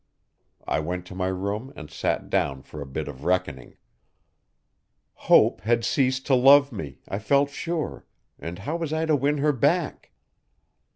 I went to my room and sat down for a bit of reckoning. Hope had ceased to love me, I felt sure, and how was I to win her back?